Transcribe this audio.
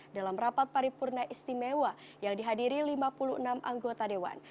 dalam rapat paripurna istimewa yang dihadiri lima puluh enam anggota dewan